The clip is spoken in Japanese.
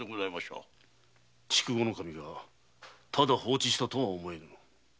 筑後守がただ放置したとは思えぬ。